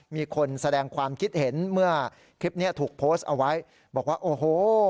มีคนแสดงความคิดเห็นเมื่อคลิปนี้ถูกโพสต์เอาไว้บอกว่าโอ้โห